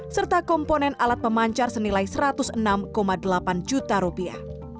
serta komponen alat pemancar senilai satu ratus enam delapan juta rupiah